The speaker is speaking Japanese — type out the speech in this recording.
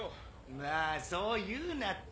まぁそう言うなって。